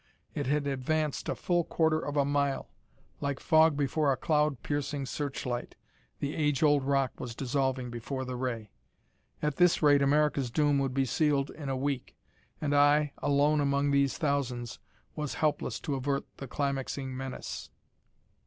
It had advanced a full quarter of a mile. Like fog before a cloud piercing searchlight, the age old rock was dissolving before the ray. At this rate America's doom would be sealed in a week. And I, alone among these thousands, was helpless to avert the climaxing menace.